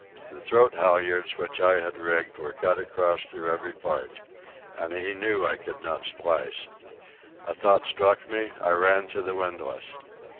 The throat halyards which I had rigged were cut across through every part. And he knew I could not splice. A thought struck me. I ran to the windlass.